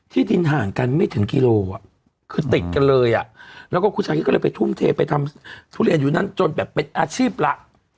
ที่ดินห่างกันไม่ถึงกิโลอ่ะคือติดกันเลยอ่ะแล้วก็คุณชายคิดก็เลยไปทุ่มเทไปทำทุเรียนอยู่นั่นจนแบบเป็นอาชีพละ